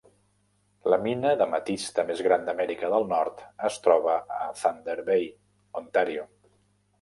La mina d'ametista més gran d'Amèrica de Nord es troba a Thunder Bay, Ontario.